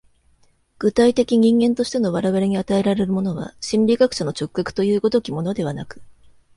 具体的人間としての我々に与えられるものは、心理学者の直覚という如きものではなく、